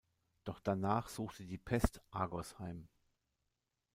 Doch danach suchte die Pest Argos heim.